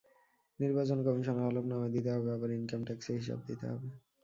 নির্বাচন কমিশনে হলফনামা দিতে হবে আবার ইনকাম ট্যাক্সে হিসাব দিতে হবে।